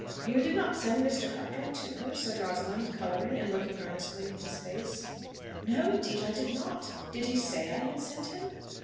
"You did not send Mr. Cartwright to her?" said Rosalind colouring, and looking earnestly in his face. "No, indeed I did not. Did he say I had sent him?"